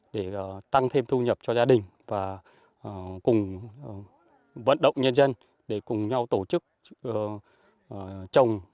để tăng thêm thu nhập cho gia đình và cùng vận động nhân dân để cùng nhau tổ chức trồng